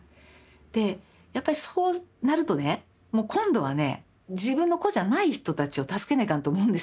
でやっぱりそうなるとねもう今度はね自分の子じゃない人たちを助けないかんと思うんですようん。